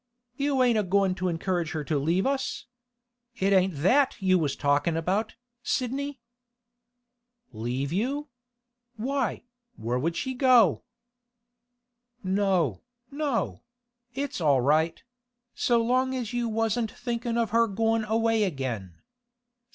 'You ain't a goin' to encourage her to leave us? It ain't that you was talkin' about, Sidney?' 'Leave you? Why, where should she go?' 'No, no; it's all right; so long as you wasn't thinkin' of her goin' away again.